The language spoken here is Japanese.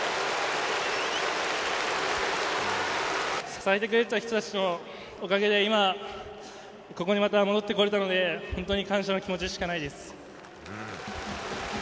支えてくれてた人たちのおかげで今、ここにまた戻ってこれたので、本当に感謝の気持ちしかないです。